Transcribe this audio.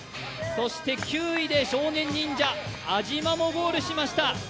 そして９位で少年忍者・安嶋もゴールしました。